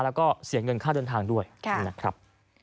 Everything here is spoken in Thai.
แล้วก็เสียเงินค่าเดินทางด้วยนะครับ